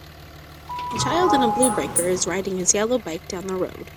A child in a blue breaker is riding his yellow bike down the road.